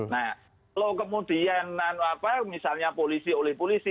nah kalau kemudian misalnya polisi oleh polisi